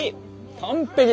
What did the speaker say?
完璧！